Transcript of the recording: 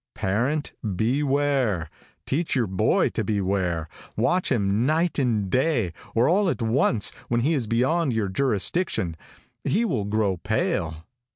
Parent, beware. Teach your boy to beware. Watch him night and day, or all at once, when he is beyond your jurisdiction, he will grow pale.